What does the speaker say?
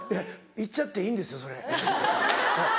言っちゃっていいんですよそれ。